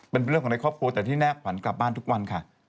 เป็นเรื่องของในครอบครัวแต่ที่แนบขวัญกลับบ้านทุกวันค่ะ